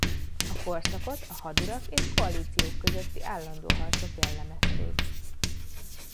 A korszakot a hadurak és koalícióik közötti állandó harcok jellemezték.